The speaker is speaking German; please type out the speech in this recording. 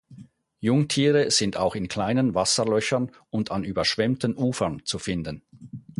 Jungtiere sind auch in kleinen Wasserlöchern und an überschwemmten Ufern zu finden.